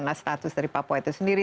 nah status dari papua itu sendiri